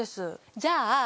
じゃあ